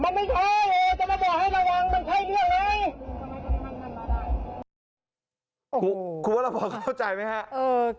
มันไม่ใช่จะมาบอกให้ระวังมันใช่แบบนี้เลย